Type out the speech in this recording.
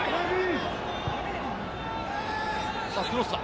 クロスだ！